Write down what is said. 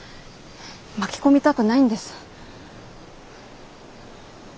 巻き込みたくないんです。